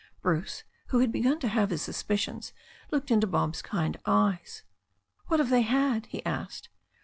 Bruce, who had begun to have his suspicions, looked into Bob's kind eyes. "What have they had?" he asked.